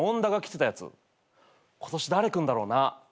今年誰来んだろうな。